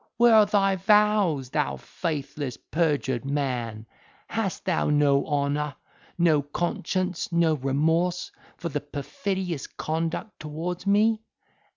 Where are thy vows, thou faithless, perjured man? Hast thou no honour—no conscience—no remorse for thy perfidious conduct towards me?